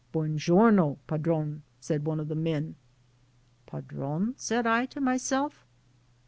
"Buon giorno, padrone," said one of the men. "Padrone?" said I to myself.